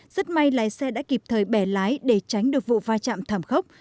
rất may lái xe đã kịp thời bẻ lái để tránh được vụ va chạm thảm khốc